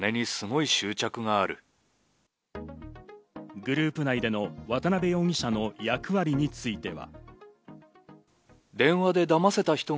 グループ内での渡辺容疑者の役割については。